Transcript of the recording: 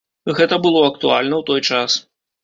Гэта было актуальна ў той час.